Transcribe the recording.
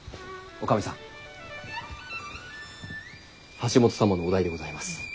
橋本様のお代でございます。